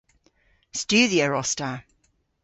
Studhyer os ta.